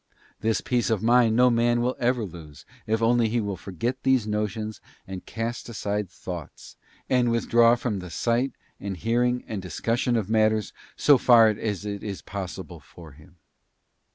This peace of mind no man will ever lose, if only he will forget these notions and cast aside thoughts, and withdraw from the sight, and hearing, and discussion of matters so far as it is pos sible for him.